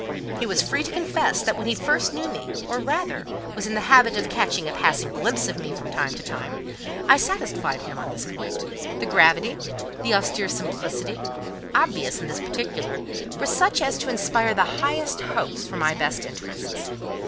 He was free to confess that when he first knew me—or, rather, was in the habit of catching a passing glimpse of me from time to time—I satisfied him on this point: the gravity, the austere simplicity, obvious in this particular, were such as to inspire the highest hopes for my best interests.